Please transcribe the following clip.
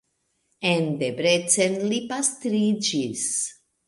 En Debrecen li pastriĝis.